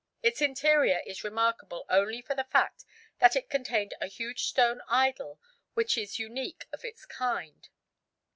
Its interior is remarkable only for the fact that it contained a huge stone idol which is unique of its kind.